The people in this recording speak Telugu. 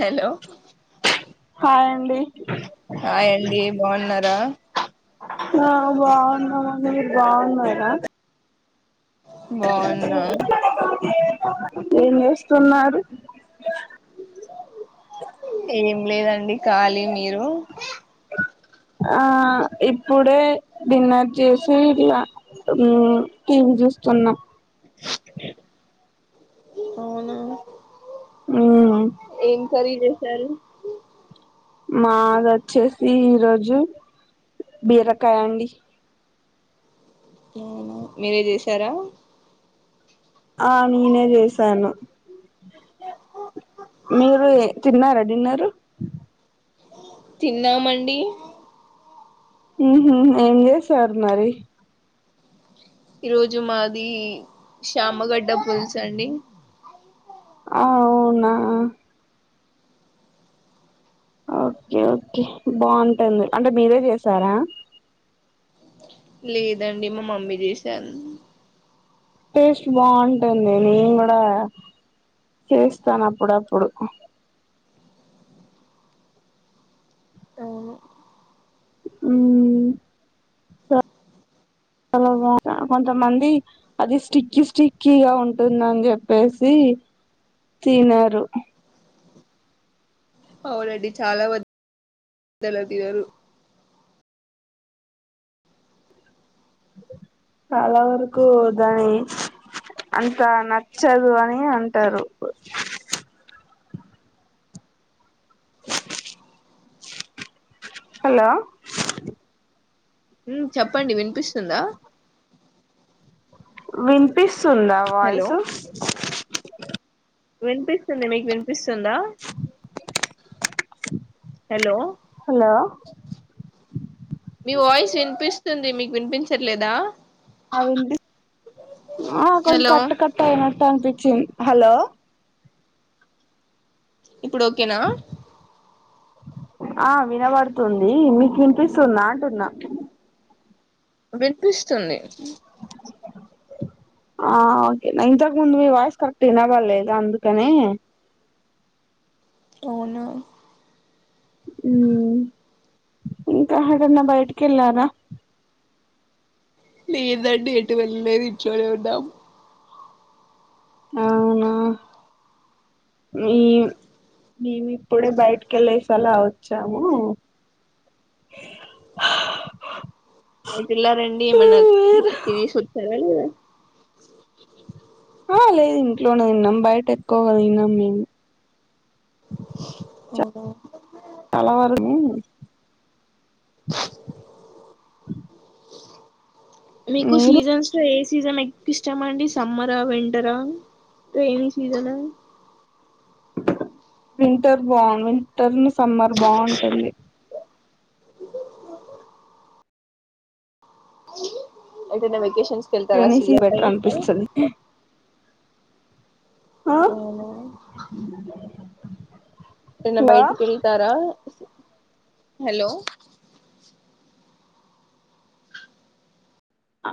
హలో హాయ్ అండి హాయ్ అండి బాగున్నారా బాగున్నావ మీరు బాగున్నారా బాగున్నా ఏం చేస్తున్నారు ఏం లేదండి కాలీ మీరు ఆ ఇప్పుడే డిన్నర్ చేసి ఇలా హు టీవీ చూస్తున్నాం. అవునా మ్మ్ ఏ కర్రీ చేసారు మాగచ్చే ఈ రోజు బీరకాయ అండి మీరే చేసారా ఆ నేనే చేశాను మీరు తిన్నారా డిన్నరు తిన్నామండి ఊహూ హూ ఏం చేసారు మరి ఈరోజు మాది చామగడ్డ పులుసండి ఆ అవునా ఓకే ఓకే బావుంటుంది అంటే మీరే చేసారా లేదండి మా మమ్మీ చేసాను టేస్ట్ బావుంటుంది నేను కూడా చేస్తాను అప్పుడప్పుడు అవును, కొంతమంది అది స్టిక్కీ స్టిక్కీగా ఉంటుందని చెప్పేసి తినరు అవునండి చాలా వద్ద [unintelligible] తినరు చాలా వరకు దాని అంత నచ్చదు అని అంటారు హలో హ్మ్ చెప్పండి వినిపిస్తుందా విన్పిస్ సుంద హలో వాయిసు వినిపిస్తుంది మీకు వినిపిస్తుందా హలో హలో ఈ వాయిస్ వినిపిస్తుంది మీకు వినిపించట్లేదా? ఆ వినిపి ఆ కొంచం హలో కట్ కట్ట అయినట్టు అనిపి చం హలో ఇప్పుడు ఓకేనా ఆ వినబడుతుంది మీకు వినిపిస్తుందా అంటున్నా వినిపిస్తుంది ఇ ఆ ఓకే నా ఇంతకు ముందు మీ వాయిస్ కరెక్ట్ వినబడ్లేదు అందుకని అవునా హ్మ్ ఇంకా ఏడన్నా బయటికి వెళ్ళారా? ప్లీజ్ అండి ఎటూ వెళ్ళలేదు ఇంట్లో నే ఉన్నాం. అవునా మీ మేము ఇప్పుడే బయటికి వెళ్ళేసి అలా వచ్చాము. ఎటెల్లారండి ఏమన్నా తినసి వచ్చారా లేదా [inaudible] ఆ లేదు ఇంట్లోనే తిన్నాం బయట ఎక్కువగా తినం మేము [unintelligible] కలవాలని మీకు సీజన్స్ లో ఏ సీజన్ ఎక్కువ ఇష్టమ అండి సమ్మరా వింటరా రెైనీ సీజన వింటర్ బా టర్ని సమ్మర్ బాగుంటుంది అయితే నే వెకేష్ కనీసి ఇది బెటర్ అనిపిస్తుంది ఆ అవునా? ఎటన్న హలో బయటికి కెళ్తారా హలో ఆ